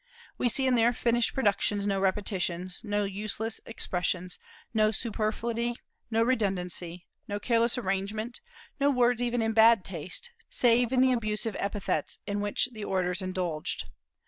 We see in their finished productions no repetitions, no useless expressions, no superfluity or redundancy, no careless arrangement, no words even in bad taste, save in the abusive epithets in which the orators indulged.